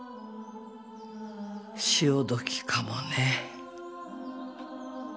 潮時かもね。